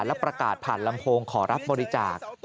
และประกาศผ่านลำโพงขอรับบริจาค